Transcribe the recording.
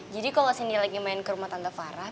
jadi kalo sindi lagi main ke rumah tante farah